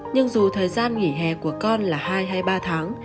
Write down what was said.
nhưng dù thời gian nghỉ hè của con là hai hay ba tháng